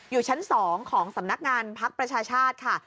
อยู่ชั้น๒ของสำนักงานพักประชาชาติค่ะ